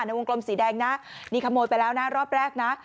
วงกลมสีแดงนะนี่ขโมยไปแล้วนะรอบแรกนะ